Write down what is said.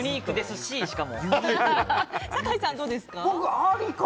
酒井さん、どうですか？